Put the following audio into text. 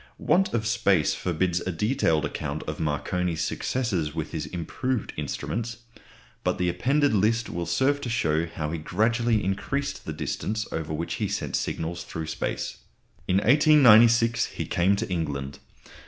Want of space forbids a detailed account of Marconi's successes with his improved instruments, but the appended list will serve to show how he gradually increased the distance over which he sent signals through space. In 1896 he came to England.